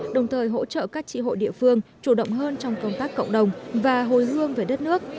đồng thời hỗ trợ các trị hội địa phương chủ động hơn trong công tác cộng đồng và hồi hương về đất nước